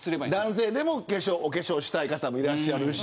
男性でもお化粧したい方もいるし。